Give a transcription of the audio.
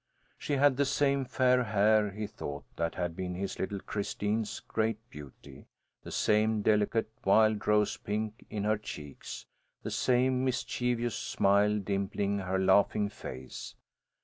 She had the same fair hair, he thought, that had been his little Christine's great beauty; the same delicate, wild rose pink in her cheeks, the same mischievous smile dimpling her laughing face.